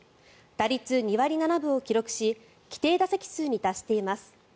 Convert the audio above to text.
打率２割７分を記録し規定打席数に達しています。